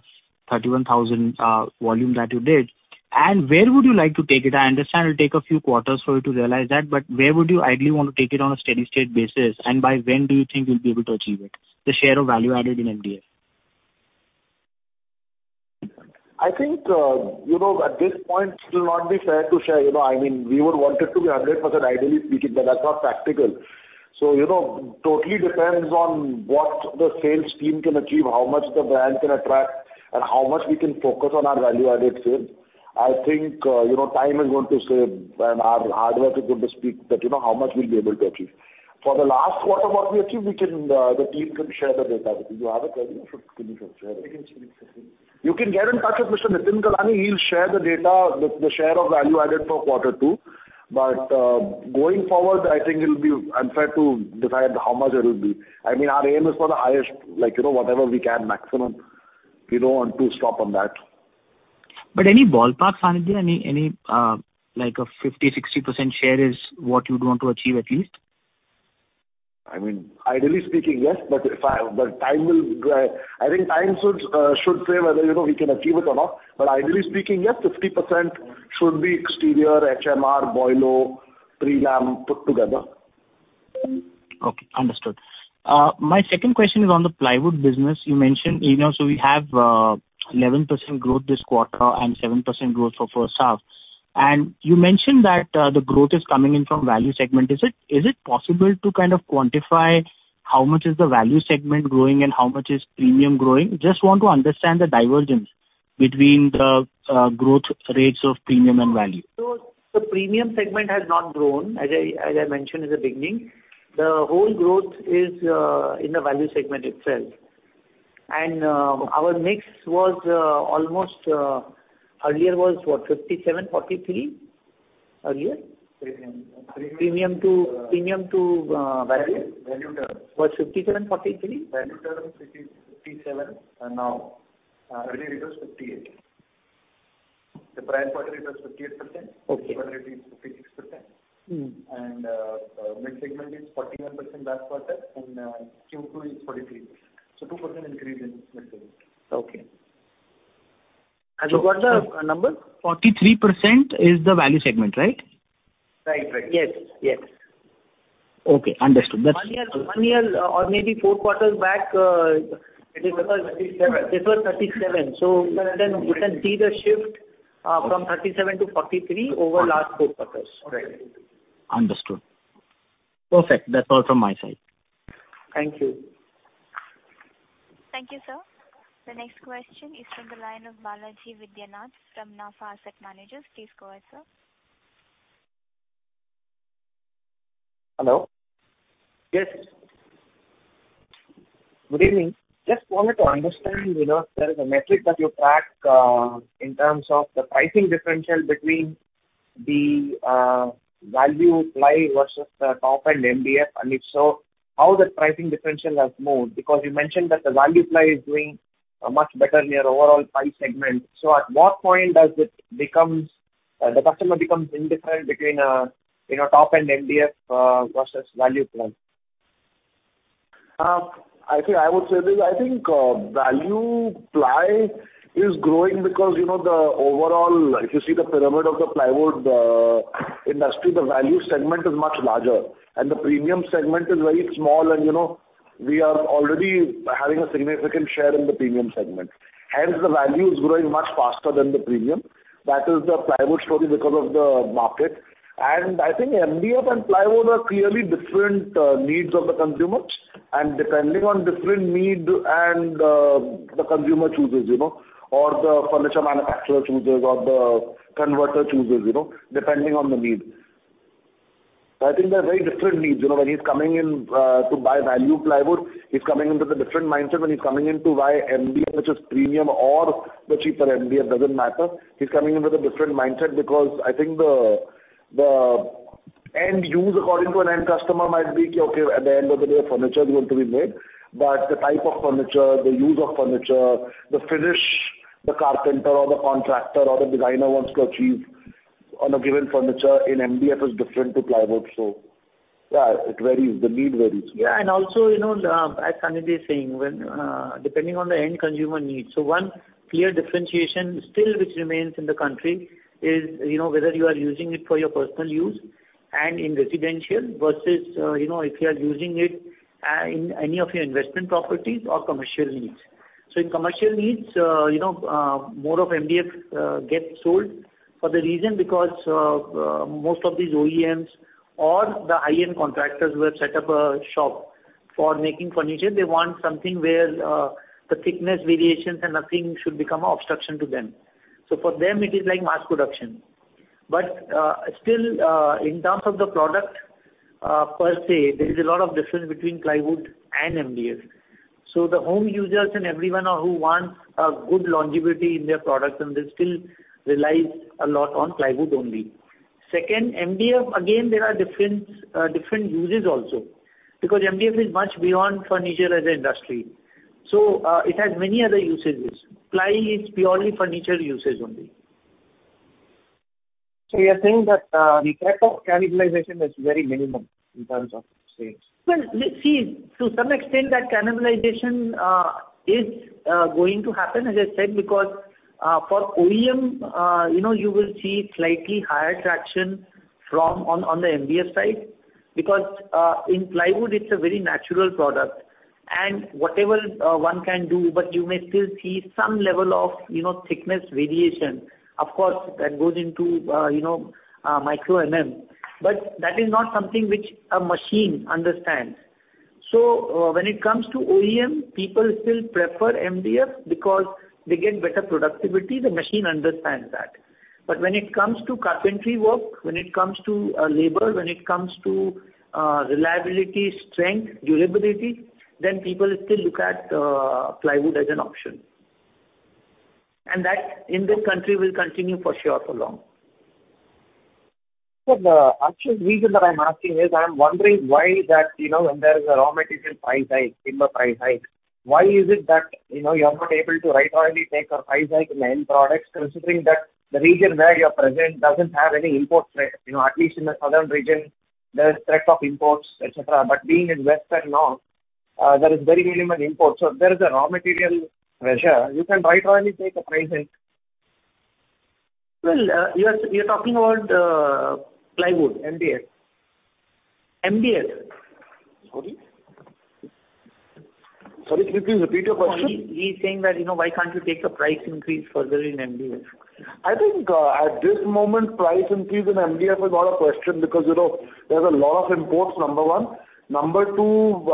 31,000 volume that you did? And where would you like to take it? I understand it'll take a few quarters for you to realize that, but where would you ideally want to take it on a steady state basis, and by when do you think you'll be able to achieve it, the share of value added in MDF? I think, you know, at this point it will not be fair to share. You know, I mean, we would want it to be 100%, ideally speaking, but that's not practical. So, you know, totally depends on what the sales team can achieve, how much the brand can attract, and how much we can focus on our value-added sales. I think, you know, time is going to say, and our hard work is going to speak, that you know, how much we'll be able to achieve. For the last quarter, what we achieved, we can, the team can share the data with you. You have it, right? You should, you should share it. You can get in touch with Mr. Nitin Kalani, he'll share the data, the share of value added for quarter two. Going forward, I think it'll be unfair to decide how much it will be. I mean, our aim is for the highest, like, you know, whatever we can maximum, we don't want to stop on that. But any ballpark, Sanjit, any, like a 50-60% share is what you'd want to achieve, at least? I mean, ideally speaking, yes, but time will, I think time should say whether, you know, we can achieve it or not. But ideally speaking, yes, 50% should be exterior, HMR, Boilo, Prelam, put together. Okay, understood. My second question is on the plywood business. You mentioned, you know, so we have eleven percent growth this quarter and seven percent growth for South. And you mentioned that the growth is coming in from value segment. Is it, is it possible to kind of quantify how much is the value segment growing and how much is premium growing? Just want to understand the divergence between the growth rates of premium and value. So the premium segment has not grown, as I, as I mentioned in the beginning. The whole growth is in the value segment itself. And, our mix was almost earlier was, what, 57, 43, earlier? Premium. Premium to, premium to, value. Value term. Was 57, 43? Value term, 50, 57. And now, earlier it was 58. The prior quarter, it was 58%. Okay. Quarter it is 56%. Mm. Mid segment is 41% last quarter, and Q2 is 43. So 2% increase in mid segment. Okay. ...And you got the number? 43% is the value segment, right? Right, right. Yes, yes. Okay, understood. That's- One year, one year or maybe four quarters back, it was 37. It was 37. So you can see the shift, from 37 to 43 over last four quarters. Understood. Perfect. That's all from my side. Thank you. Thank you, sir. The next question is from the line of Balaji Vidyanath from Nafa Asset Managers. Please go ahead, sir. Hello? Yes. Good evening. Just wanted to understand, you know, there is a metric that you track, in terms of the pricing differential between the, value ply versus the top-end MDF, and if so, how the pricing differential has moved? Because you mentioned that the value ply is doing, much better in your overall ply segment. So at what point does it becomes, the customer becomes indifferent between, you know, top-end MDF, versus value ply? I think I would say this: I think, value ply is growing because, you know, the overall, if you see the pyramid of the plywood industry, the value segment is much larger, and the premium segment is very small, and, you know, we are already having a significant share in the premium segment. Hence, the value is growing much faster than the premium. That is the plywood story because of the market. And I think MDF and plywood are clearly different needs of the consumers, and depending on different need and, the consumer chooses, you know, or the furniture manufacturer chooses or the converter chooses, you know, depending on the need. I think they're very different needs. You know, when he's coming in to buy value plywood, he's coming in with a different mindset than when he's coming in to buy MDF, which is premium or the cheaper MDF, doesn't matter. He's coming in with a different mindset because I think the end use, according to an end customer, might be, okay, at the end of the day, a furniture is going to be made, but the type of furniture, the use of furniture, the finish, the carpenter or the contractor or the designer wants to achieve on a given furniture in MDF is different to plywood. So yeah, it varies, the need varies. Yeah, and also, you know, as Sanidhya is saying, when depending on the end consumer needs. So one clear differentiation still which remains in the country is, you know, whether you are using it for your personal use and in residential versus, you know, if you are using it in any of your investment properties or commercial needs. So in commercial needs, you know, more of MDF gets sold for the reason because most of these OEMs or the high-end contractors who have set up a shop for making furniture, they want something where the thickness variations and nothing should become an obstruction to them. So for them, it is like mass production. But still, in terms of the product per se, there is a lot of difference between plywood and MDF. So the home users and everyone who wants a good longevity in their products, and they still rely a lot on plywood only. Second, MDF, again, there are different, different uses also, because MDF is much beyond furniture as an industry. So, it has many other usages. Ply is purely furniture usage only. So you are saying that the effect of cannibalization is very minimum in terms of sales? Well, see, to some extent, that cannibalization is going to happen, as I said, because, for OEM, you know, you will see slightly higher traction from on, on the MDF side, because, in plywood, it's a very natural product and whatever one can do, but you may still see some level of, you know, thickness variation. Of course, that goes into, you know, micro mm. But that is not something which a machine understands. So, when it comes to OEM, people still prefer MDF because they get better productivity, the machine understands that. But when it comes to carpentry work, when it comes to, labor, when it comes to, reliability, strength, durability, then people still look at, plywood as an option. And that in this country will continue for sure, for long. Sir, the actual reason that I'm asking is, I'm wondering why that, you know, when there is a raw material price hike, timber price hike, why is it that, you know, you're not able to right away take your price hike in the end products, considering that the region where you're present doesn't have any import threat, you know, at least in the southern region, there is threat of imports, et cetera. But being in West Chennai, there is very minimum import. So if there is a raw material pressure, you can right away take a price hike. Well, you're talking about plywood, MDF. MDF. Sorry? Sorry, could you repeat your question? He's saying that, you know, why can't you take the price increase further in MDF? I think, at this moment, price increase in MDF is out of question because, you know, there's a lot of imports, number one. Number two,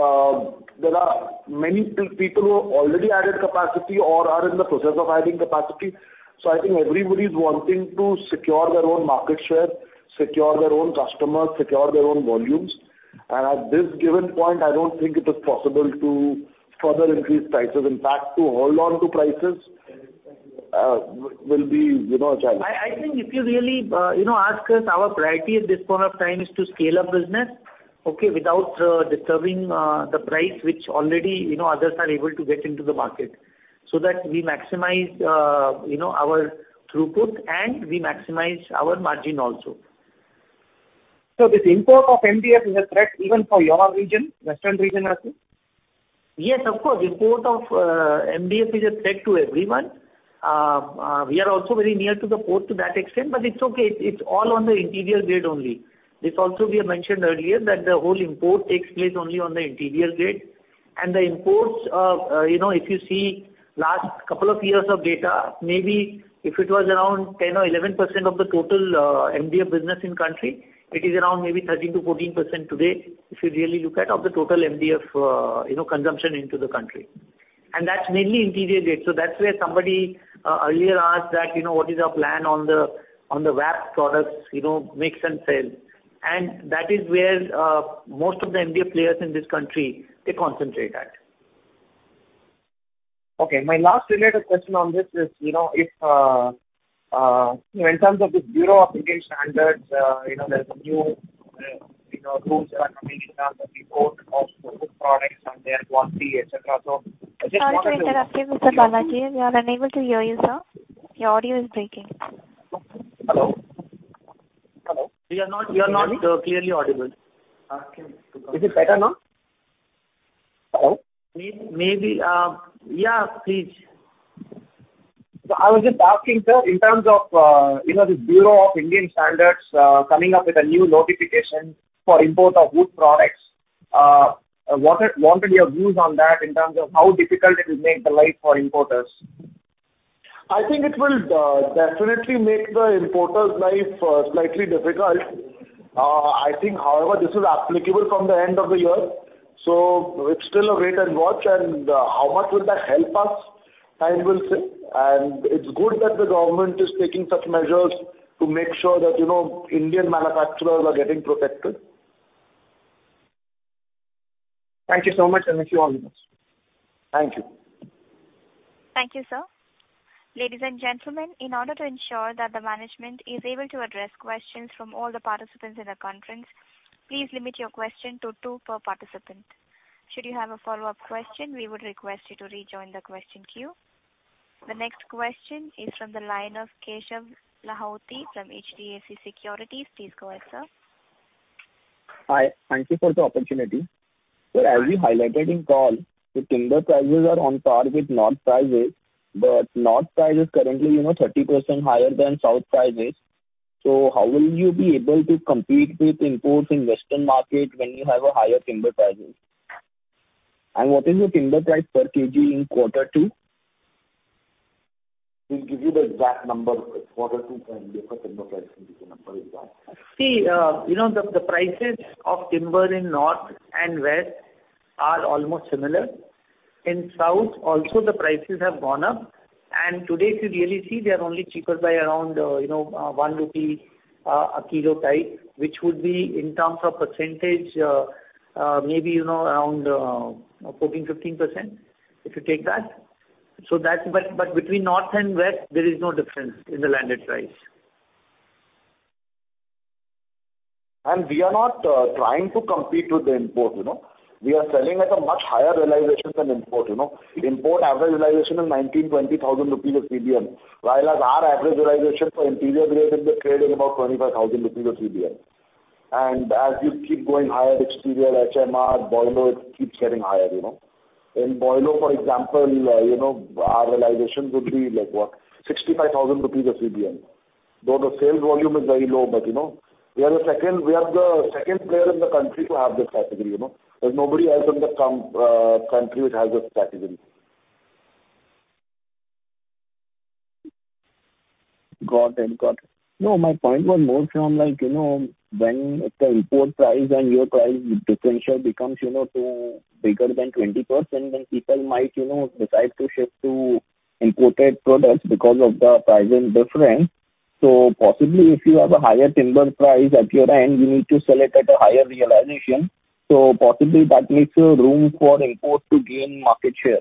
there are many people who already added capacity or are in the process of adding capacity. So I think everybody's wanting to secure their own market share, secure their own customers, secure their own volumes. And at this given point, I don't think it is possible to further increase prices. In fact, to hold on to prices, will be, you know, a challenge. I think if you really, you know, ask us, our priority at this point of time is to scale up business, okay, without disturbing the price, which already, you know, others are able to get into the market, so that we maximize, you know, our throughput and we maximize our margin also. So, this import of MDF is a threat even for your region, western region also? Yes, of course, import of MDF is a threat to everyone. We are also very near to the port to that extent, but it's okay, it's all on the interior grade only. This also we have mentioned earlier, that the whole import takes place only on the interior grade. And the imports of, you know, if you see last couple of years of data, maybe if it was around 10 or 11% of the total, MDF business in country, it is around maybe 13%-14% today, if you really look at of the total MDF, you know, consumption into the country. And that's mainly interior grade. So that's where somebody, earlier asked that, you know, what is our plan on the, on the wrap products, you know, mix and sell. That is where most of the MDF players in this country, they concentrate at. Okay. My last related question on this is, you know, if in terms of this Bureau of Indian Standards, you know, there's new rules that are coming in terms of import of wood products and their quality, et cetera. So I just want to- Sorry to interrupt you, Mr. Banaji. We are unable to hear you, sir. Your audio is breaking. Hello? Hello. We are not, you are not, clearly audible. Is it better now? Hello. Maybe, yeah, please. So I was just asking, sir, in terms of, you know, the Bureau of Indian Standards coming up with a new notification for import of wood products, what are, what are your views on that in terms of how difficult it will make the life for importers? I think it will definitely make the importer's life slightly difficult. I think, however, this is applicable from the end of the year, so it's still a wait and watch, and how much will that help us? Time will say. And it's good that the government is taking such measures to make sure that, you know, Indian manufacturers are getting protected. Thank you so much, and thank you all. Thank you. Thank you, sir. Ladies and gentlemen, in order to ensure that the management is able to address questions from all the participants in the conference, please limit your question to two per participant. Should you have a follow-up question, we would request you to rejoin the question queue. The next question is from the line of Keshav Lahoti from HDFC Securities. Please go ahead, sir. Hi. Thank you for the opportunity. Sir, as you highlighted in call, the timber prices are on par with North prices, but North price is currently, you know, 30% higher than South prices. So how will you be able to compete with imports in Western market when you have a higher timber prices? And what is your timber price per kg in quarter two? We'll give you the exact number of quarter two and give the timber price number as well. See, you know, the prices of timber in north and west are almost similar. In south, also the prices have gone up, and today, if you really see, they are only cheaper by around, you know, 1 rupee a kilo type, which would be in terms of percentage, maybe, you know, around 14%-15%, if you take that. So that's but, but between north and west, there is no difference in the landed price. And we are not trying to compete with the import, you know. We are selling at a much higher realization than import, you know. Import average realization is 19,000-20,000 rupees a CBM, whereas our average realization for interior grade is trading about 25,000 rupees a CBM. And as you keep going higher, exterior, HMR, Boilo, it keeps getting higher, you know. In Boilo, for example, you know, our realization would be like what? 65,000 rupees a CBM, though the sales volume is very low, but you know, we are the second player in the country to have this category, you know. There's nobody else in the country which has this category. Got it, got it. No, my point was more from like, you know, when the import price and your price differential becomes, you know, so bigger than 20%, then people might, you know, decide to shift to imported products because of the pricing difference. So possibly, if you have a higher timber price at your end, you need to sell it at a higher realization. So possibly that leaves room for import to gain market share.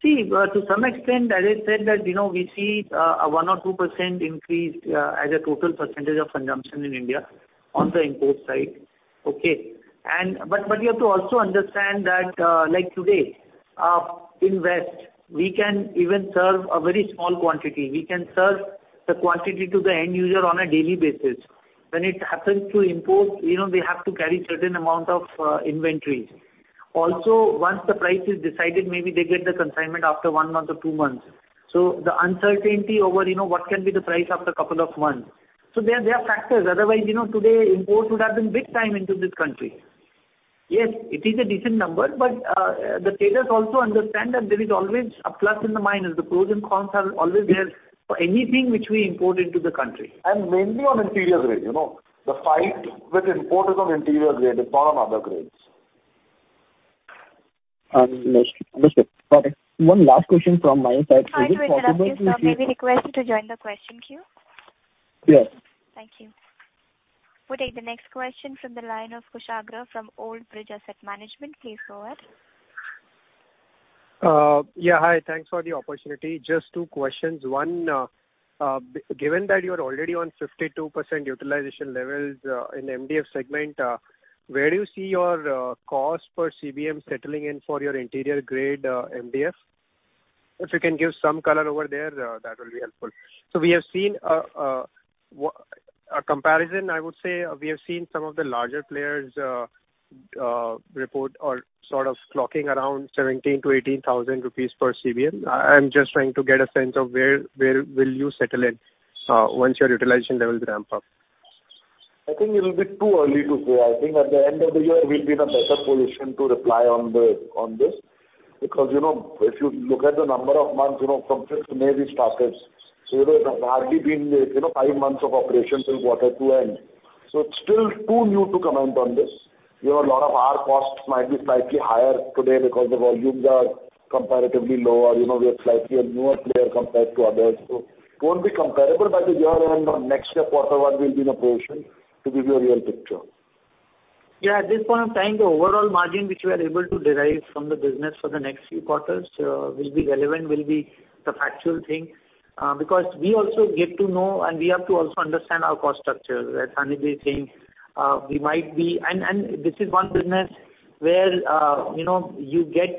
See, to some extent, as I said, that, you know, we see a 1%-2% increase as a total percentage of consumption in India on the import side. But you have to also understand that, like today, in West Bengal, we can even serve a very small quantity. We can serve the quantity to the end user on a daily basis. When it happens to import, you know, they have to carry certain amount of inventories. Also, once the price is decided, maybe they get the consignment after one month or two months. So the uncertainty over, you know, what can be the price after a couple of months. So there are factors, otherwise, you know, today, imports would have been big time into this country. Yes, it is a decent number, but, the traders also understand that there is always a plus and a minus. The pros and cons are always there for anything which we import into the country. Mainly on interior grade, you know. The fight with import is on interior grade, it's not on other grades. Understood. Got it. One last question from my side- Sorry to interrupt you, sir. May we request you to join the question queue? Yes. Thank you. We'll take the next question from the line of Kushagra from Old Bridge Asset Management. Please go ahead. Yeah, hi, thanks for the opportunity. Just two questions. One, given that you are already on 52% utilization levels, in MDF segment, where do you see your cost per CBM settling in for your interior grade MDF? If you can give some color over there, that will be helpful. So we have seen a comparison, I would say, we have seen some of the larger players report or sort of clocking around 17,000-18,000 rupees per CBM. I'm just trying to get a sense of where, where will you settle in once your utilization levels ramp up? I think it will be too early to say. I think at the end of the year, we'll be in a better position to reply on this. Because, you know, if you look at the number of months, you know, from fifth May, we started. So you know, there's hardly been, you know, five months of operations in quarter two end. So it's still too new to comment on this. You know, a lot of our costs might be slightly higher today because the volumes are comparatively lower. You know, we are slightly a newer player compared to others, so it won't be comparable. By the year end or next year, quarter one, we'll be in a position to give you a real picture. Yeah, at this point in time, the overall margin which we are able to derive from the business for the next few quarters will be relevant, will be the factual thing. Because we also get to know and we have to also understand our cost structure, as Sanidhya is saying. We might be... And this is one business where you know, you get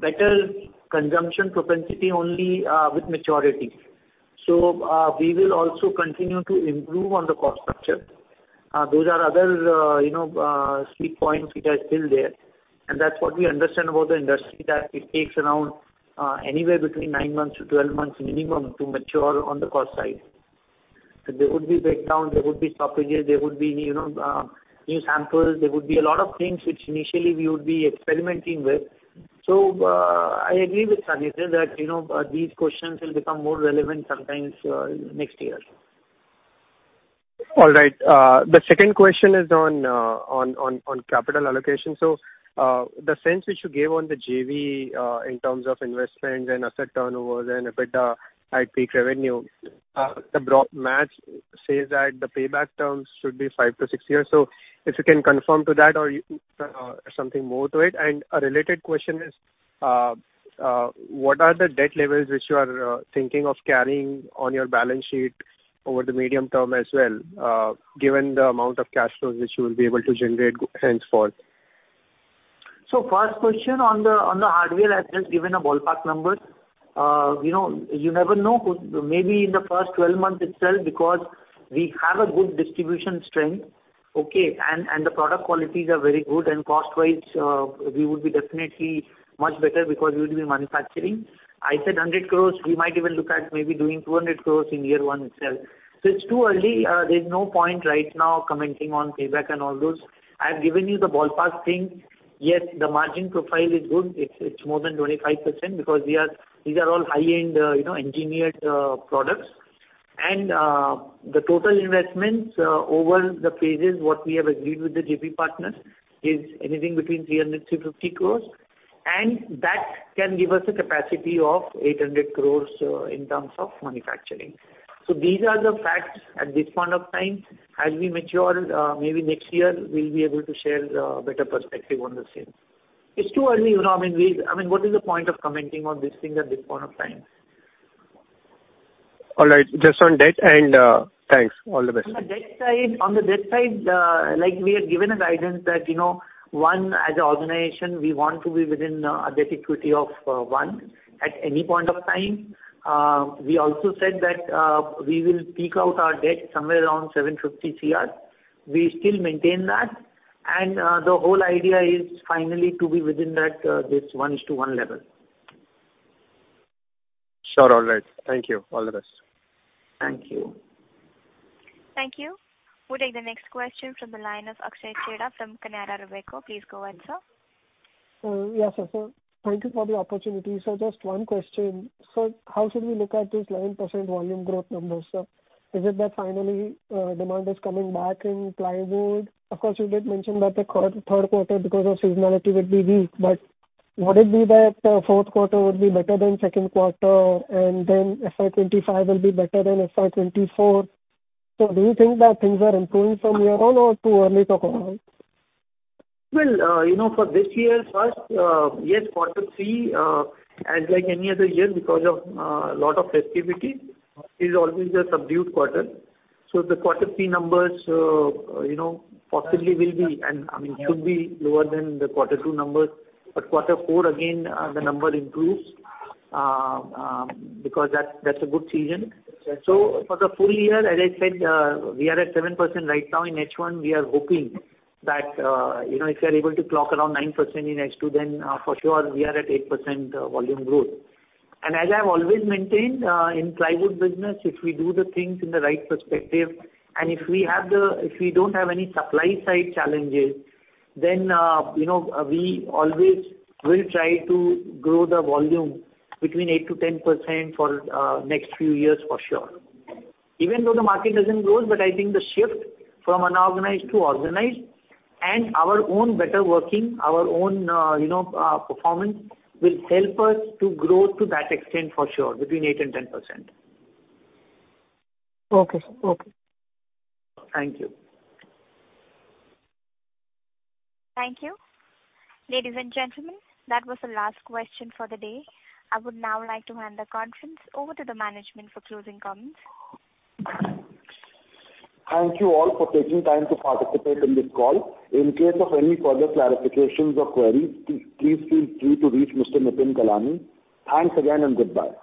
better consumption propensity only with maturity. So we will also continue to improve on the cost structure. Those are other you know, sweet points which are still there. And that's what we understand about the industry, that it takes around anywhere between 9-12 months minimum to mature on the cost side. There would be breakdowns, there would be stoppages, there would be, you know, new samples, there would be a lot of things which initially we would be experimenting with. So, I agree with Sanidhya, that, you know, these questions will become more relevant sometimes, next year. All right. The second question is on capital allocation. So, the sense which you gave on the JV, in terms of investments and asset turnovers and EBITDA at peak revenue, the broad match says that the payback terms should be 5-6 years. So if you can confirm to that or, something more to it. And a related question is, what are the debt levels which you are thinking of carrying on your balance sheet over the medium term as well, given the amount of cash flows which you will be able to generate henceforth? So first question on the, on the hardware, I've just given a ballpark number. You know, you never know, maybe in the first 12 months itself, because we have a good distribution strength, okay? And, and the product qualities are very good and cost-wise, we would be definitely much better because we will be manufacturing. I said 100 crore, we might even look at maybe doing 200 crore in year 1 itself. So it's too early, there's no point right now commenting on payback and all those. I've given you the ballpark thing. Yes, the margin profile is good. It's, it's more than 25% because these are, these are all high-end, you know, engineered products. The total investments over the phases, what we have agreed with the JV partners, is anything between 300-50 crores, and that can give us a capacity of 800 crores in terms of manufacturing. These are the facts at this point of time. As we mature, maybe next year, we'll be able to share better perspective on the same. It's too early, you know, I mean, I mean, what is the point of commenting on this thing at this point of time? All right. Just on debt and, thanks. All the best. On the debt side, on the debt side, like we have given a guidance that, you know, one, as an organization, we want to be within a debt equity of 1 at any point of time. We also said that we will peak out our debt somewhere around 750 crore. We still maintain that, and the whole idea is finally to be within that, this 1:1 level. Sure. All right. Thank you. All the best. Thank you. Thank you. We'll take the next question from the line of Akshay Chheda from Canara Robeco. Please go ahead, sir. Yes, sir. Thank you for the opportunity. Just one question. How should we look at this 9% volume growth number, sir? Is it that finally, demand is coming back in plywood? Of course, you did mention that the third quarter, because of seasonality, would be weak, but would it be that fourth quarter would be better than second quarter, and then FY 2025 will be better than FY 2024? Do you think that things are improving from here on or too early to call? Well, you know, for this year first, yes, quarter three, as like any other year, because of, lot of festivity, is always a subdued quarter. So the quarter three numbers, you know, possibly will be, and, I mean, should be lower than the quarter two numbers. But quarter four, again, the number improves, because that's, that's a good season. So for the full year, as I said, we are at 7% right now in H1. We are hoping that, you know, if we are able to clock around 9% in H2, then, for sure, we are at 8%, volume growth. As I've always maintained, in plywood business, if we do the things in the right perspective, and if we don't have any supply side challenges, then, you know, we always will try to grow the volume between 8%-10% for next few years for sure. Even though the market doesn't grow, but I think the shift from unorganized to organized and our own better working, our own, you know, performance, will help us to grow to that extent for sure, between 8% and 10%. Okay, sir. Okay. Thank you. Thank you. Ladies and gentlemen, that was the last question for the day. I would now like to hand the conference over to the management for closing comments. Thank you all for taking time to participate in this call. In case of any further clarifications or queries, please feel free to reach Mr. Nitin Kalani. Thanks again and goodbye.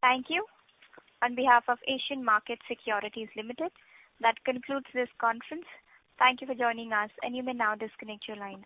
Thank you. On behalf of Asian Markets Securities Private Limited, that concludes this conference. Thank you for joining us, and you may now disconnect your lines.